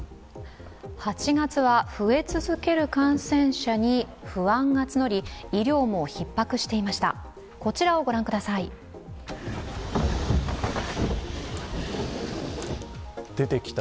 ８月は増え続ける感染者に不安が募り医療もひっ迫していました。